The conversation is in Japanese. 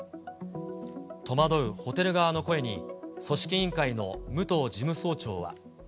戸惑うホテル側の声に、組織委員会の武藤事務総長は。